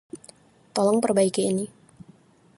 Tolong perbaiki ini.